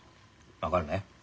分かるね？